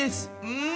うん。